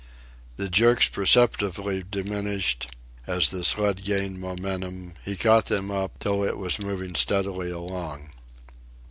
The jerks perceptibly diminished; as the sled gained momentum, he caught them up, till it was moving steadily along.